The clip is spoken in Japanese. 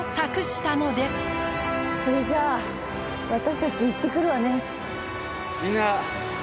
それじゃあ私たち行ってくるわね。